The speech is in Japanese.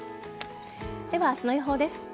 では、明日の予報です。